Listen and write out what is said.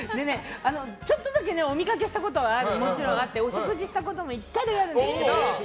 ちょっとだけお見かけしたことあってお食事したことも１回だけあるんですけど。